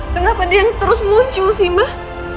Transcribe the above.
kenapa dia yang terus muncul sih mbak